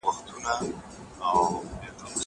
زه مخکي مړۍ خوړلي وه!